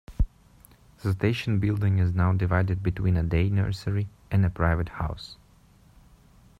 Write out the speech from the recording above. The station building is now divided between a day nursery and a private house.